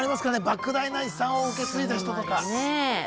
莫大な遺産を受け継いだ人とか。